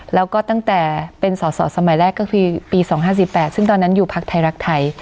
แล้วก็ตั้งแต่เป็นสอสอสมัยแรกก็คือปี๒๕๔๘ซึ่งตอนนั้นอยู่พักไทยรักไทย